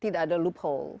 tidak ada loophole